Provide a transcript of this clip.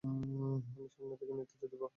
আমি সামনে থেকে নেতৃত্ব দিব।